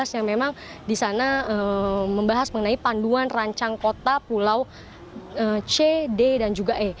yang memang di sana membahas mengenai panduan rancang kota pulau c d dan juga e